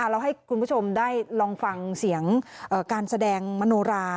เราให้คุณผู้ชมได้ลองฟังเสียงการแสดงมโนรา